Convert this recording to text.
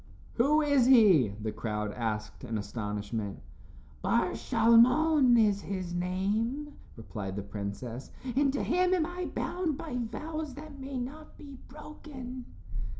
"Who is he?" the crowd asked in astonishment. "Bar Shalmon is his name," replied the princess, "and to him am I bound by vows that may not be broken."